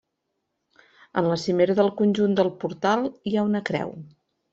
En la cimera del conjunt del portal hi ha una creu.